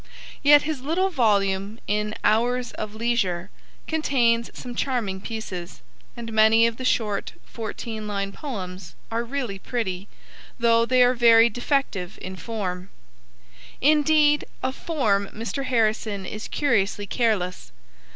Yet his little volume In Hours of Leisure contains some charming pieces, and many of the short fourteen line poems are really pretty, though they are very defective in form. Indeed, of form Mr. Harrison is curiously careless.